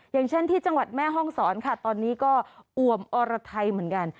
อย่างเช่นที่จังหวัดแม่ห้องศรค่ะตอนนี้ก็อวมอรไทยเหมือนกัน